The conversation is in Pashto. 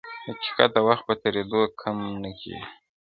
حقيقت د وخت په تېرېدو کم نه کيږي,